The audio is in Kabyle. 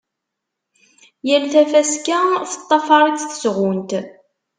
Yal tafaska teṭṭafar-itt tesɣunt.